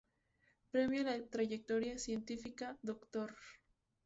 Premio a la Trayectoria Científica "Dr.